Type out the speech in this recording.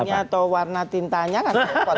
isinya atau warna tintanya kan